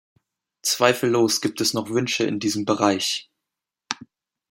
Zweifellos gibt es noch Wünsche in diesem Bereich.